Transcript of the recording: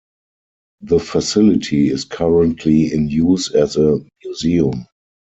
The facility is currently in use as a museum.